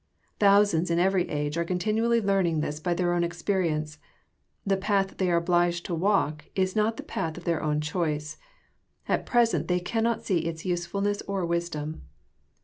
Thousands in every age are continually learning this by their own experience. The path they are obliged to walk in is not the path of their own choice. At present they cannot see its usefulness or wisdom.